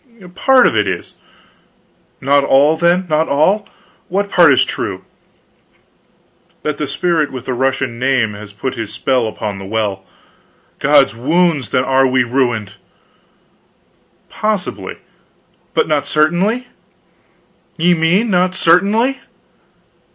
"Part of it is." "Not all, then, not all! What part is true?" "That that spirit with the Russian name has put his spell upon the well." "God's wounds, then are we ruined!" "Possibly." "But not certainly? Ye mean, not certainly?"